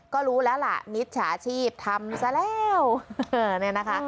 ก็รู้แล้วล่ะมิตย์สถาชีพทำซะแล้วนะคะ